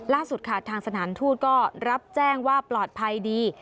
ล่าสุดค่ะทางสถานทูตก็รับแจ้งว่าปลอดภัยดี